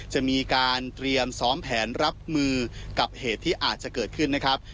จะมีการเตรียมซ้อมแผนรับมือกับเหตุที่อาจจะเกิดขึ้นนะครับ